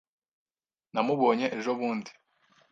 Namubonye ejobundi.